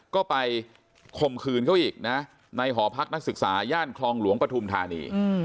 ก็ไปคมคืนเขาอีกนะในหอพักนักศึกษาย่านคลองหลวงปฐุมธานี